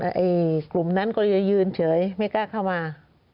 ไอ้กลุ่มนั้นก็เลยยืนเฉยไม่กล้าเข้ามา